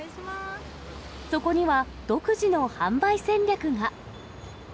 そこには、独自の販売戦略が。